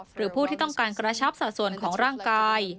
หรือผู้ที่ต้องการกระชับสัดส่วนของร่างกาย